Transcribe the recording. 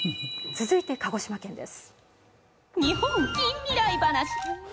続いて、鹿児島県です。